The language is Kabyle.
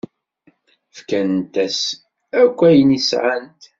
Fkant-as akk ayen sɛant.